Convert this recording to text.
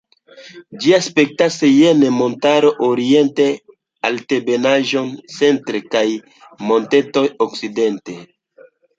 Ĝi aspektas jene: montaroj oriente, altebenaĵoj centre kaj montetoj okcidente.